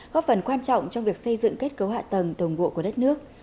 góp phần quan trọng trong việc xây dựng kết cấu hạ tầng đồng bộ của đất nước